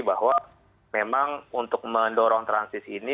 bahwa memang untuk mendorong transisi ini